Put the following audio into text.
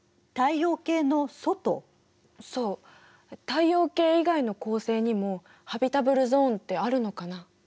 そう太陽系以外の恒星にもハビタブルゾーンってあるのかな？